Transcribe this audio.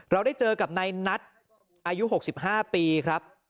เราได้เจอกับนายนัทอายุ๖๕ปีครับ